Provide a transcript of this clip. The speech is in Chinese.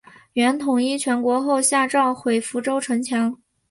元统一全国后下诏毁福州城墙。